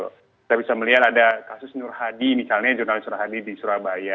kita bisa melihat ada kasus nur hadi misalnya jurnalis nur hadi di surabaya